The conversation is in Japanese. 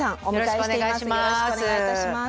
よろしくお願いします。